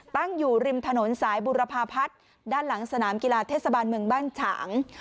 ตั้งอยู่ริมถนนสายบุรพาพัฒน์ด้านหลังสนามกีฬาเทศบาลเมืองบ้านฉาง